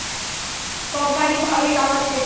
Company ভালোই কামাচ্ছে।